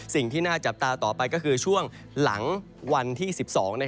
สิ่งที่น่าจับตาต่อไปก็คือช่วงหลังวันที่๑๒